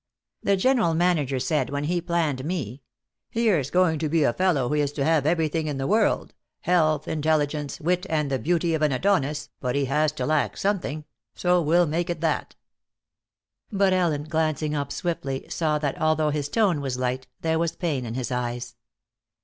The General Manager said when he planned me, 'Here's going to be a fellow who is to have everything in the world, health, intelligence, wit and the beauty of an Adonis, but he has to lack something, so we'll make it that'." But Ellen, glancing up swiftly, saw that although his tone was light, there was pain in his eyes.